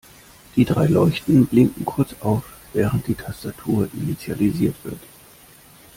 Die drei Leuchten blinken kurz auf, während die Tastatur initialisiert wird.